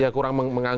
kurang menganggap kerja